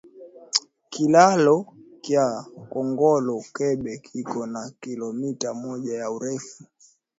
Kilalo kya kongolo keba kiko na kilometa moja ya urefu